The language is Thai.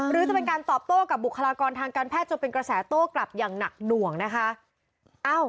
หรือจะเป็นการตอบโต้กับบุคลากรทางการแพทย์จนเป็นกระแสโต้กลับอย่างหนักหน่วงนะคะ